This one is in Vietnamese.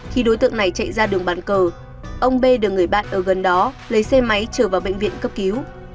khi đối tượng này chạy ra đường bàn cờ ông b được người bạn ở gần đó lấy xe máy trở vào bệnh viện cấp cứu